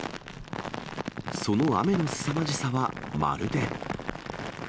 その雨のすさまじさはまるで。